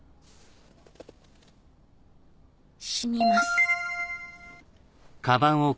死にます。